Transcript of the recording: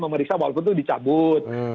memeriksa walaupun itu dicabut